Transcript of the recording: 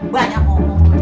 bu aja bu